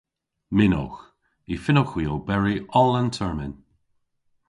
Mynnowgh. Y fynnowgh hwi oberi oll an termyn.